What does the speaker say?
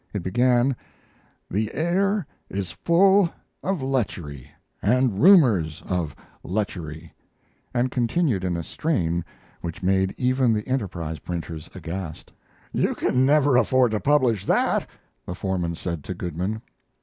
It began, "The air is full of lechery, and rumors of lechery," and continued in a strain which made even the Enterprise printers aghast. "You can never afford to publish that," the foreman said to, Goodman.